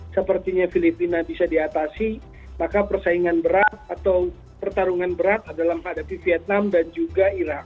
sepertinya filipina bisa diatasi maka persaingan berat atau pertarungan berat adalah menghadapi vietnam dan juga irak